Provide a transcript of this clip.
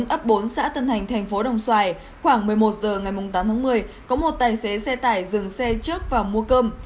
ấp bốn xã tân hành thành phố đồng xoài khoảng một mươi một h ngày tám tháng một mươi có một tài xế xe tải dừng xe trước vào mua cơm